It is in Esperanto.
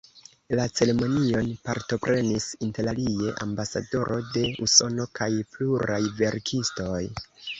La ceremonion partoprenis interalie ambasadoro de Usono kaj pluraj verkistoj.